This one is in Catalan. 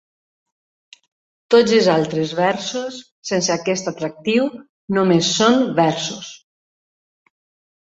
Tots els altres versos, sense aquest atractiu, només són versos.